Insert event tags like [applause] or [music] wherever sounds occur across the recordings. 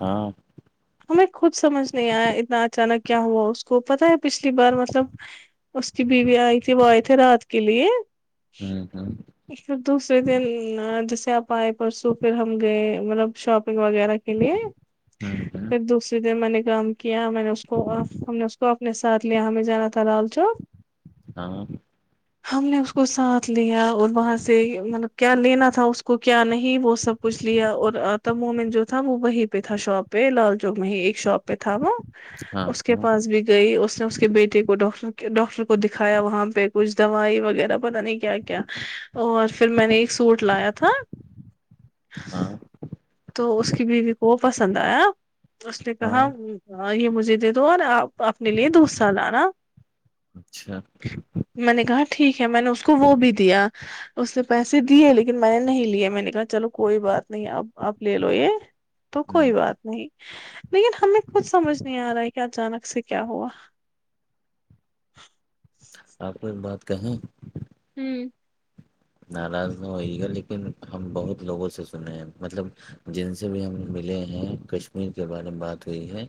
ہاں ہمیں خود سمجھ نہیں آیا اتنا اچانک کیا ہوا اس کو پتاہ ہے پچھلی بار مطلب اس کی بیوی آئی تھی وی تھ رات کے لیے ہاں ہاں پھر دوسرے دن جیسے آپ آئے پرسوں پھر ہم گئے مطلب شاپنگ وغیرہ کے لیے ہاں دوسری دن میں نے کام کیا میں نے اس کو ہم نے اس کو اپنے ساتھ لیا ہمیں جانا تھا لال چوک ہاں ہم نے اس کو ساتھ لیا اور وہاں سے مطلب کیا لینا تھا اس کو کیا نہیں وہ سب پچھ لیا اورتا مومٹ جو تھا وہی پہ تھا شاپ پہ لال جو میں ایک شاپ پہ تھا وہ ہاں اس کے ہاں پاس بھی گئی اس نے اس کے بیٹے کوٹ ڈاکٹر کو دکھایا وہاں پہ کچھ دوائی وغیرہ پتا نہیں کیا کیا کیا اور پھر میں نے ایک سوٹ لایا تھا [inaudible] تو اس کی بیوی کو وہ پسند آیا اس نے ہاں کہا یہ مجھے دے دو اور آپ اپنے لیے دوس سال اچھا میں نے کہا ٹھیک ہے میں نے اس کو وہ بھی دیا اس سے پیسے دیے لیکن میں نے نہیں لیے میں نے کہا چلو کوئی بات نہیں اب آپ لے لو یہ تو ہوں کوئی ہوں بات نہیں لیکن ہمیں کچھ سمجھ نہیں آ رہا ہے کہ اچانک سے کیا ہوا آپ کوئی بات کہیں ہوں ناراض نہ ہوئی گا لیکن ہم بہت لوگوں سے سنے ہیں مطلب جن سے بھی ہم ملے ہیں کشمیر کے بارے میں بات ہوئی ہے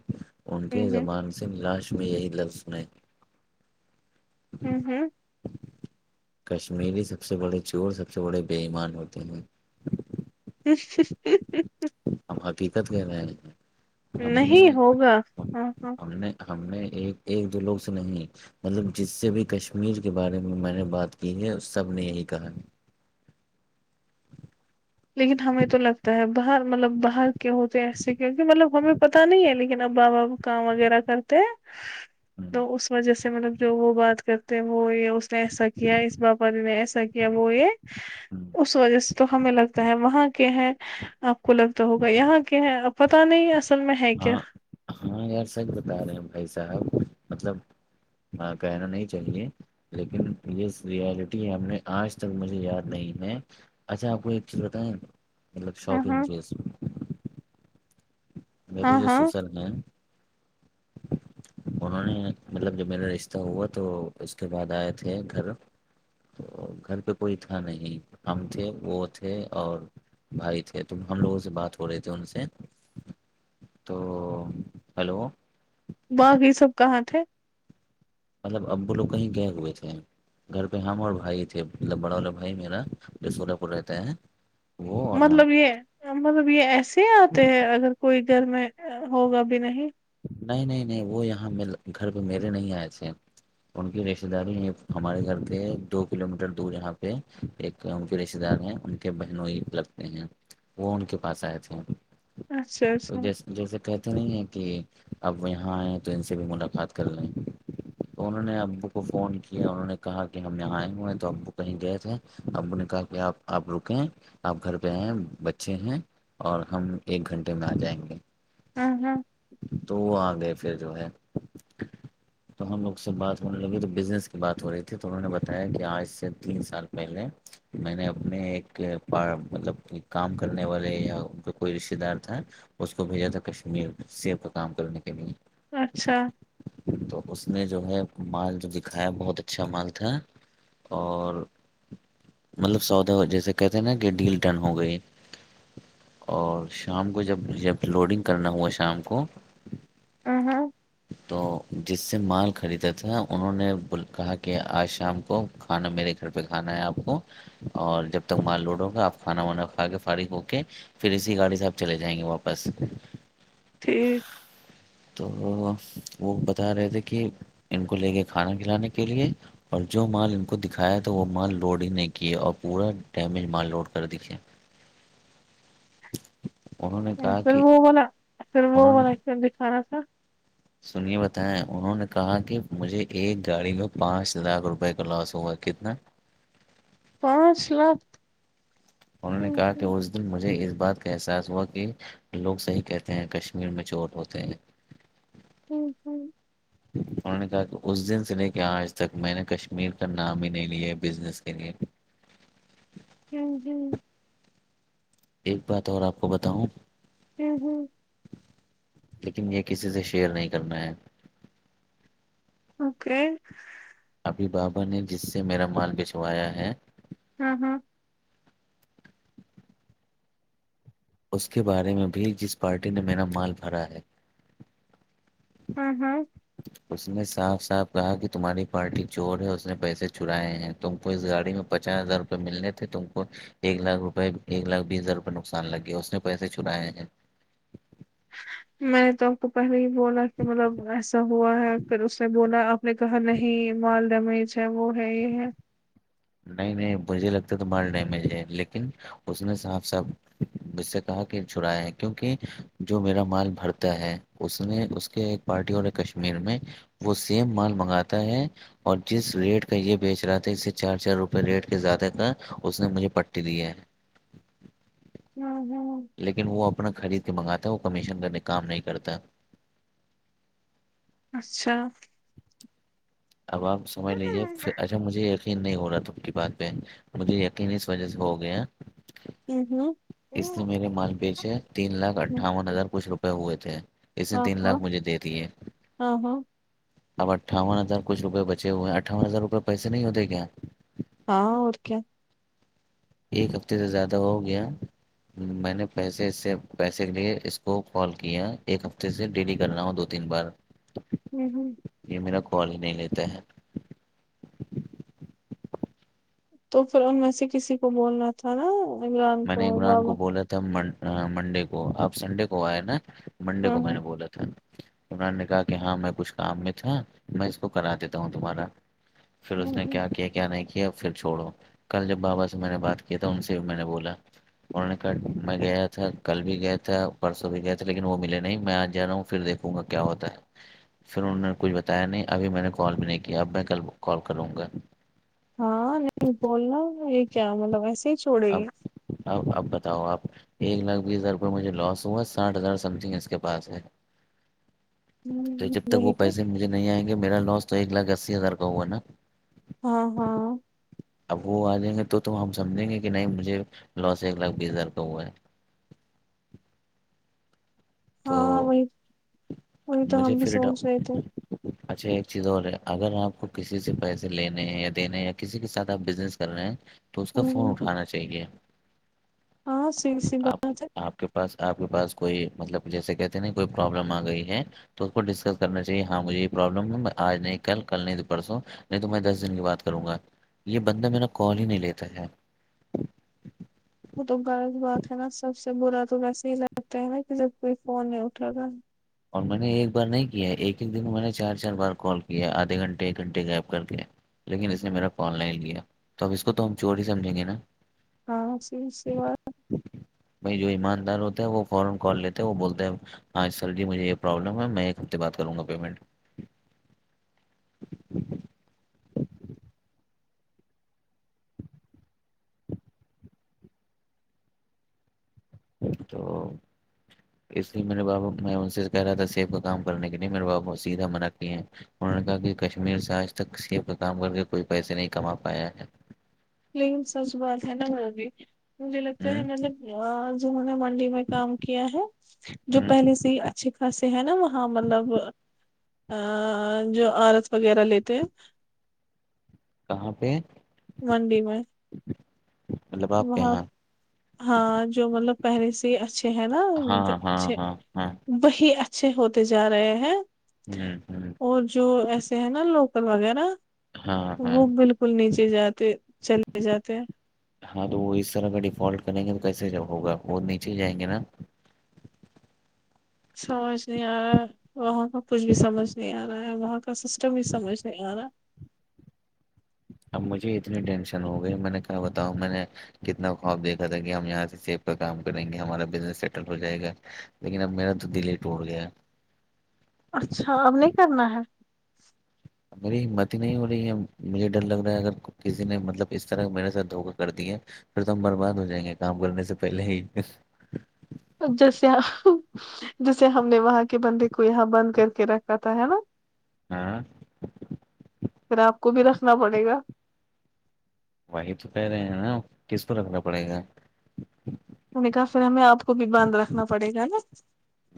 ان ہوں کے ہوں زبان سے لاش میں یہی لفظ میں ہوں ہوں کشمیری سب سے بڑے چور سب سے بڑے بئیمان ہوتے ہیں ا ہم حقیقت گئے رہ ہیں ہم نے نہیں ہوگا ہم ہاں ہاں ہم نے ہم نے ایک ایک دو لوگ سے نہیں مطلب جس سے بھی کشمیر کے بارے میں میں نے بات کی ہے سب نے یہی کہا لیکن ہمیں تو لگتا ہے باہر مطلب باہر کے ہوتے ایسے کیونکہ مطلب ہمیں پتتا نہیں ہے لیکن اب بابا کام وغیرہ کرتے [inaudible] تو اس وجہ سے مطلب جو وہ بات کرتے ہیں وہ یہ اس نے ایسا کیا اس بپاری نے ایسا کیا وہ یہ اس وجہ سے تو ہمیں لگتا وہاں کے ہیں آپ کو لگتا ہوگا یہاں کیا ہے ا پتا نہیں اصل میں ہے کیا ہاں ہاں یار سچ بتا رہے ہیں بھائی صاحب مطلب ہ کہنا نہیں چاہیے لیکن یہ ریالٹی ہم نے آج تک مجھے یاد نہیں ہے اچھا آپ کو ایک چیز بتائیں مطلب ہاں شاپنگ ہاں چیز میرے ہاں جو ہاں سشل ہیں انہوں نے مطلب جب میرا رشتہ ہوا تو اس کے بعد آئے تھے گھر تو گھر پہ کوئی تھا نہیں ہم تھے وہ تھے اور بھائی تھے تو ہم لوگوں سے بات ہو رہے تھے ان سے تو ہیلو باقی سب کہاں تھے مطلب اب وہ لوگ کہیں گئے ہوئے تھے گھر پہ ہم اور بھائی تھے مطلب بڑا والا بھائی میرا جو سور پور رہتے ہیں مطلب یہ مطلب یہ ایسے ہی آتے ہیں اگر کوئی گھر میں ہوگا بھی نہیں نہیں نہیں نہیں وہ یہاں گھر پہ میرے نہیں آئے تھے ان کی رشتے داری ہمارے گھر پہ دو کلو میٹر دور یہاں پہ ایک ان کے رشتے دار ہیں ان کے بہنوں ہی لگتے ہیں وہ ان کے پاس آئے تھے اچھا تو اچھا جیسے جیسے کہتے نہیں ہیں کہ اب یہاں آئے تو ان سے بھی ملاقات کر لیں تو انہوں نے ابو کو فون کیا انہوں نے کہا کہ ہم یہاں آئے ہوئے ہیں تو ابو کہیں گئے تھے ابو نے کہا کہ آپ آپ رکیں آپ گھر پہ آئیں بچے ہیں اور ہم ایک گھنٹے میں آ جائیں گے ہوں ہوں تو وہ آ گئے پھر جو ہے تو ہم لوگ سے بات ہونے لگی تو بزنس کی بات ہو رہی تھی تو انہوں نے بتایا کہ آج سے تین سال پہلے میں نے اپنے ایک مطلب کام کرنے والے یا ان کا کوئی رشتتے دار تھا اس کو بھیجا تھا کشمیر سب کا کام کرنے کے لیے اچھا تو اس نے جو ہے مال جو دکھایا بہت اچھا مال تھا اور مطلب سودا وہ جیسے کہتے ہیں نا کہ ڈیل ڈن ہو گئی اور شام کو جب جب لوڈنگ کرنا ہوا شام کو ہوں ہوں تو جس سے مال خریدا تھا انہوں نے کہا کہ آج شام کو کھانا میرے گھر پہ کھانا ہے آپ کو اور جب تک مال لوٹو گا آپ کھانا وانا کھا کے فارغ ہو کے پھر اسی گاڑی سے آپ چلے جائیں گے واپس ٹھیک تو وہ بتا رہے تھے کہ ان کو لے گئے کھانا کھلانے کے لیے اور جو مال ان کو دکھایا تو وہ مال لوڈ ہی نہیں کیے اور پورا ڈیمیج مال لوڈ کر دکھے [inaudible] نے کہا پھر کہ وہ والا وہ انہوں نے والا دکھا رہا تھا سنیے بتائیں انہوں نے کہا کہ مجھے ایک گاڑی میں پانچ لاکھ روپئے کا لاس ہوا کتنا پانچ لاکھ انہوں نے کہا کہ اس دن مجھے اس بات کا احساس ہوا کہ لوگ صحیح کہتے ہیں کشمیر میں چور ہوتے ہیں [inaudible] انہوں نے کہا کہ اس دن سے لے کے آج تک میں نے کشمیر کا نام ہی نہیں لیا ہے بزنس کے لیے ہوں ایک بات اور آپ کو بتاؤں ہوں ہوں لیکن یہ کسی سے شیئر نہیں کرنا ہے اوکے ابھی بابا نے جس سے میرا مال بچھوایا ہے ہاں ہاں اس کے بارے میں بھی جس پارٹی نے میرا مال بھرا ہے ہاں ہاں اس نے صاف صاف کہا کہ تمہاری پارٹی چور ہے اس نے پیسے چرائے ہیں تم کو اس گاڑی میں پچاس ہزار روپئے ملنے تھے تم کو ایک لاکھ روپئے ایک لاکھ بیس ہزار روپئے نقصان لگ گیا ہے اس نے پیسے چرائیں ہیں میں نے تو آپ کو پہلے ہی بولا کہ مطلب ایسا ہوا ہے پھر اس نے بولا آپ نے کہا نہیں مال ڈمیج ہے وہ ہے یہ ہے نہیں نہیں مجھے لگتا تھا مال ڈیمیج ہے لیکن اس نے صاف صاف اس سے کہا کہ چھرایا ہے کیونکہ جو میرا مال بھرتا ہے اس نے اس کے ایک پارٹی والے کشمیر میں وہ سیم مال منگاتا ہے اور جس ریٹ کا یہ بیچ رہا تھا اس چار چار روپئے ریٹ کے زیادہ کا اس نے مجھے پٹی دیا ہے ہوں ہوں لیکن وہ اپنا خرید کے منگاتا ہے وہ کمیشن کرنے کام نہیں کرتا اچھا اب آپ سمجھ لیجیے پھر ہاں اچھا مجھے ایک نہیں ہو رہا ت کی بات پہ مجھے یقین اس وجہ سے ہو گیا ہاں اس نے ہاں میرے مال پیچھے تین لاکھ اٹھاون ہزار کچھ روپے ہوئے تھے اس نے تین لاکھ ہاں مجھے دے دیے ہاں اب اٹھاون ہزار کچھ روپئے بے ہوئے ہیں اٹھاون ہزار روپئے پیسے نہیں ہوتے کیا کہاں اور کیا ایک ہفتے سے زیادہ ہو گیا میں نے پیسے اس سے پیسے کے لیے اس کو کال کیا ایک ہفتے سے ڈیلی کر رہنا ہ دو تین بار [inaudible] ہوں ہوں یہ میرا کوال ہی نہیں لیتے ہیں تو پھر ان میں سے کسی کو بولنا تھا نا عمران میں نے کوور عمران بابا کو بولا منڈے کو آپ سنڈے کو آئے نا منڈے ہاں کو میں ہاں نے بولا تھا عران نے کہا کہ ہاں میں کچھ کام میں تھا میں اس کو کرا دیتا ہوں تمہارا پھر اس ہاں نے ہاں۔ کیا کیا کیا نہیں کیا کیا پھر چھوڑو کل جب بابا سے میں نے بات کیا تھا ان سے میں نے بولا انہوں نے کہا میں گیا تھا کل بھی گیا تھا پرسوں بھی گئے تھے لیکن وہ ملے نہیں میں آج جا رہا ہوں پھر دیکھ پوں گا کیا ہوتا ہے پھر انہوں نے کچھ بتایا نہیں ابھی میں نے کال بھی نہیں کیا اب میں کل کال کروں گا ہاں نہیں بولنا یہ کیا مطلب وسے ہی چھوڑے اب گی اب اب بتاؤ آپ ایک لاکھ بیس ہزار روپئے مجھے لاس ہوا ساٹھ ہزار سمتنگ اس کے پاس ہے تو ہوں، جب تک وہ وہی تو پیسے مجھے نہیں آئیں گے میرا لاس تو ایک لاکھ اسی ہزار کا ہوا نا ہاں ہاں اب وہ آ جائیں گے تو ہم سمجھیں گے کہ نہیں مجھے لاس ایک لاکھ گیزر کا ہوا ہے ہاں تو وہی وہی تو مجھے ہم بھی پھر سوچ رہے تھے اچھا ایک چیز اور ہے اگر آپ کو کسی سے پیسے لینے ہیں یا دینے ہیں یا کسی کے ساتھ آپ بزنس کر رہے ہیں تو اس کا ہوں، فون ہوں۔ اٹھانا چاہیے ہاں سی سی آپ بات ہے آپ کے پاس آپ کے پاس کوئی مطلب جیسے کہتے نا کوئی پرابلم آ گئی ہے تو اس کو ڈسکس کرنا چاہیے ہاں مجھے یہ پرابلم ہے میں آج نہیں کل کل نہیں پرسوں نہیں تو میں دس دن کی بات کروں گا یہ بندہ میرا کال ہی نہیں لیتا ہے وہ تو غلض بات ہے نا سب سے برا تو ویسے ہی لگتا ہے نا کہ جب کوئی فون نہیں اٹھا رہا اور میں نے ایک بار نہیں کیا ایک ایک دن میں نے چار چار بار کال کیا آدھے گھنٹے ایک گھنٹے غائب کر کے لیکن اس نے میرا فون لائ لیا تو اب اسس کو تو ہم چور ہی سمجھیں گے نا ہاں س شوا بھائی جو ایماندار ہوتا ہے وہ فورا کال لیتا ہے وہ بولتا ہے سر جی مجھے یہ پرابلم ہے میں ایک ہفتے باتد کروں گا پیمنٹ تو اس لیے میرے بابا میں ان سے کہہ رہا تھا سیب کا کام کرنے کے لیے میرے بابا ب سیدھا منع کیے ہیں انہوں نے کہا کہ کشمیر سے آج تک کسی کا کام کر کے کوئی پیسے نہیں کما پایا ہے لیکن سچ بات ہے نا اب مجھے لگتا ہے ہوں مطلب جوا میں کام کیا ہے جو ہوں پہلے سے اچھے خاصے ہیں نا وہاں مطلب جو آر ایس وغیرہ لیتے ہیں کہاں پہ منڈی میں جی وہاں ہاں جو مطلب پہلے سے اچھے ہیں نا جو ہاں ہاں اچھے ہاں ہاں وہی اچھے ہوتے جا رہے ہیں ہوں ہوں اور جو ایسے ہیں نا لوکل وغیرہ ہاں ہاں وہ بالکل نیچے جاتے چلے جاتے ہیں ہاں تو وہ اس طرح کا ڈیفالٹ کریں گے تو کیسے ہوگا وہ نیچے جائیں گے نا سوچنے آ وہاں کا کچھ بھی سمجھ نہیں آ رہا ہے وہاں کا سسٹم بھی سمج نہیں آ رہا اب مجھے اتنی ٹینشن ہو گئی میں نے کیا بتاؤ میں نے کتنا خواب دیکھا تھا کہ ہم یہاں سے سیب کا کام کریں گے ہمارا بزنس سیٹل ہو جائے گا لیکن اب میرا تو دللی ہی ٹوٹ گیا اچھا اب نہیں کرنا ہے میری متی نہیں ہو رہی ہے مجھے ڈر لگ رہا ہے اگر کسی نے مطلب اس طرح میرے ساتھ دھوکہ کر دیا ہے پھر تو ہم برباد ہو جائیں گے کام کرنے سے پہلے ہی جس جسے ہم نے وہاں کے بندے کو یہاں بند کر کے رکھا تھا ہے نا ہاں پھر آپ کو بھی رکھنا پڑے گا وہی تو کہہ رہے ہیں نا کس پر رکھا پڑے گا ان نے کہا پھر ہمیں آپ کو بھی باندھ رکھنا پڑے گا نا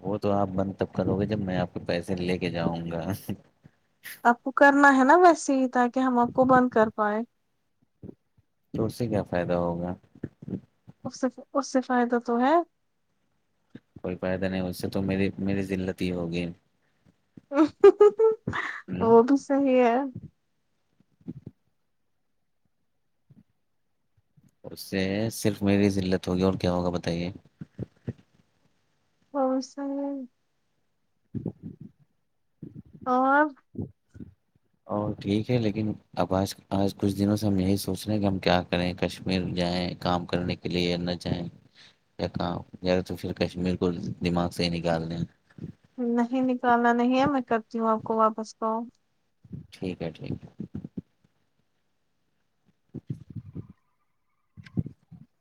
وہ تو آپ بند تب کرو گے جب میں آپ کے پیسے لے کے جاؤں گا آپ کو کرنا ہے نا ویسے ہی تاکہ ہم آپ کو بند کر پائے توور سے کیا فائدہ ہوگا اس سے اس سے فائدہ تو ہے کوئی فائدہ نہیں اس سے تو میری میری لت ہی ہوگی ہوں وہ بھی صحی ہے اس سے صرف میری لت ہوگی اور کیا ہوگا بتائیے اور سیں ج ہ اورو ٹھیک ہے لیکن اب آج آج کچھ دنوں سے ہم یہی سوچ رہے ہیں کہ ہم کیا کریں کشمیر جائیں کام کرنے کے لیے انا چاہیں یا کام یا تو پھر کشمیر کو دماغ سے ہی نکال دیں نہیں نکالنا نہیں ہے میں کرتی ہوں آپ کو واپس کاؤ ٹھیک ہے ٹھیک ہے [inaudible]